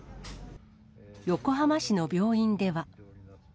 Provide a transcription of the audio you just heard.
横浜市の病院では。